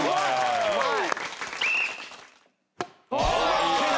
うまい。